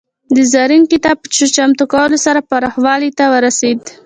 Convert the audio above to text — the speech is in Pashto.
د زرین کتاب په چمتو کولو سره پوخوالي ته ورسېد.